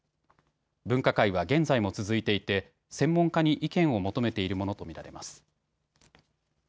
分科会は現在も続いていて専門家に意見を求めているものと見られます。